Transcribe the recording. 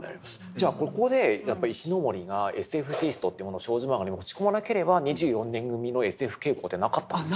じゃあここでやっぱり石森がＳＦテイストというものを少女漫画に持ち込まなければ２４年組のＳＦ傾向ってなかったんですか？